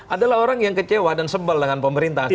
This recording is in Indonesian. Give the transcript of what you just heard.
adalah orang yang kecewa dan sebel dengan pemerintah